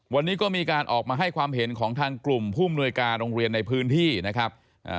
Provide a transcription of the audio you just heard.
วันนี้ก็มีการออกมาให้ความเห็นของทางกลุ่มผู้มนวยการโรงเรียนในพื้นที่นะครับ